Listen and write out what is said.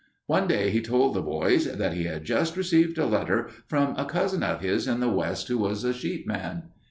One day he told the boys that he had just received a letter from a cousin of his in the West who was a sheep man.